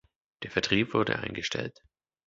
Der Vertrieb wurde eingestellt.